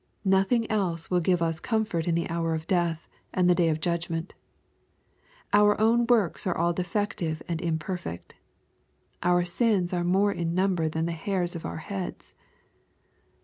Nothing else will give us comfort in the" hour of death and the day of judgment. Our own works are all defective and imperfect. Our sins are more in number than the hairs of our heads.